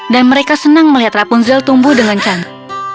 dan mereka senang melihat rapunzel tumbuh dengan cantik